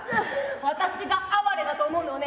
私があわれだと思うのはね